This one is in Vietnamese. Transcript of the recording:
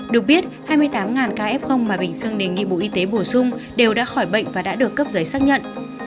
được biết hai mươi tám ca f mà bình dương đề nghị bộ y tế bổ sung đều đã khỏi bệnh và đã được cấp giấy xác nhận